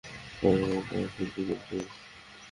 সবাই আমার টাকায় ফুর্তি করছিস?